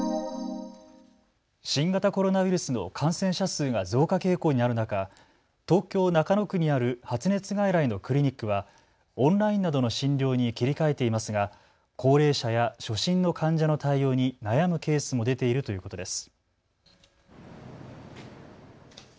新型コロナウイルスの感染者数が増加傾向にある中、東京中野区にある発熱外来のクリニックはオンラインなどの診療に切り替えていますが高齢者や初診の患者の対応に悩むケースも出ているということです。